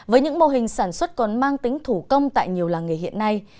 với những mô hình sản xuất còn mang tính thủ công tại nhiều làng nghề hiện nay